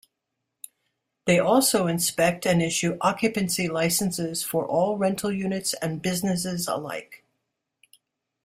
They also inspect and issue occupancy licenses for all rental units and businesses alike.